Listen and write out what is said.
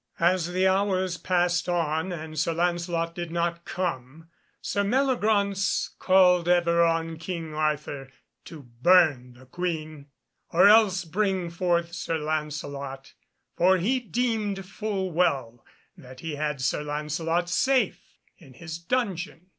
As the hours passed on and Sir Lancelot did not come, Sir Meliagraunce called ever on King Arthur to burn the Queen, or else bring forth Sir Lancelot, for he deemed full well that he had Sir Lancelot safe in his dungeon.